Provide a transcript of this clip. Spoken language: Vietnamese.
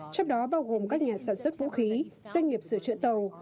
trong đó bao gồm các nhà sản xuất vũ khí doanh nghiệp sửa chữa tàu